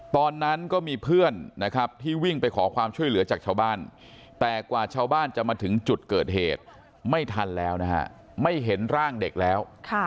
ตอนนั้นก็มีเพื่อนนะครับที่วิ่งไปขอความช่วยเหลือจากชาวบ้านแต่กว่าชาวบ้านจะมาถึงจุดเกิดเหตุไม่ทันแล้วนะฮะไม่เห็นร่างเด็กแล้ว